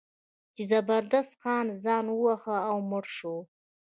چې زبردست خان ځان وواهه او مړ شو.